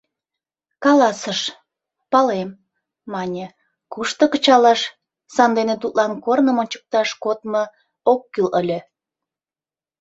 Каласыш: палем, мане, кушто кычалаш, сандене тудлан корным ончыкташ кодмо ок кӱл ыле.